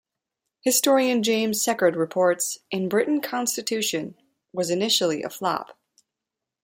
Historian James Secord Reports, "In Britain "Constitution" was initially a flop.